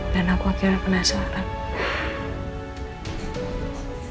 dan aku akhirnya penasaran